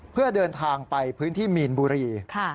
เพื่อเดินทางไปพื้นที่มีนบุรี